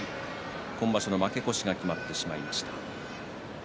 今場所の負け越しが決まっています。